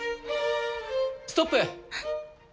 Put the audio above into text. ストップ。